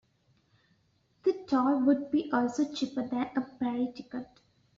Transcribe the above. The toll would be also cheaper than a ferry ticket.